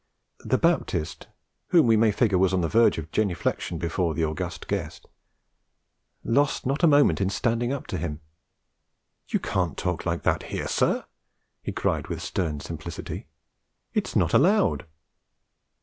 The Baptist, whom we may figure on the verge of genuflexion before the august guest, lost not a moment in standing up to him. 'You can't talk like that here, sir!' he cried with stern simplicity. 'It's not allowed!'